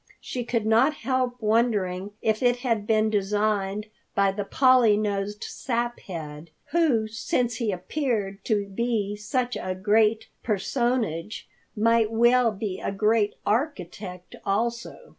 She could not help wondering if it had been designed by the Polly nosed Saphead, who, since he appeared to be such a great personage, might well be a great architect also.